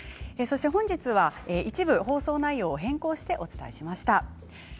そして本日は一部を放送内容を変更してお伝えしました。